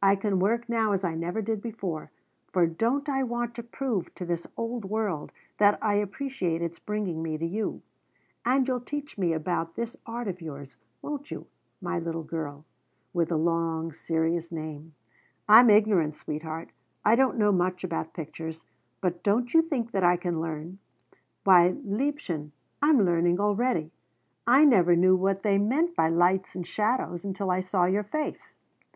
I can work now as I never did before, for don't I want to prove to this old world that I appreciate its bringing me to you? And you'll teach me about this art of yours, won't you, my little girl with the long, serious name? I'm ignorant, sweetheart, I don't know much about pictures, but don't you think that I can learn? Why, liebchen, I'm learning already! I never knew what they meant by lights and shadows until I saw your face.